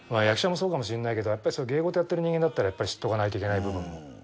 役者もそうかもしれないけどやっぱり芸事やってる人間だったら知っとかないといけない部分も。